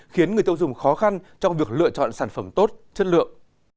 khiến người tiêu dùng khó khăn trong việc lựa chọn sản phẩm tốt chất lượng